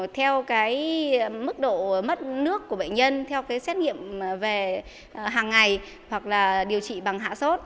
theo cái mức độ mất nước của bệnh nhân theo cái xét nghiệm về hàng ngày hoặc là điều trị bằng hạ sốt